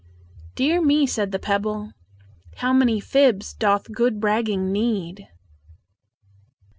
"Dear me!" said the pebble; "how many fibs doth good bragging need!"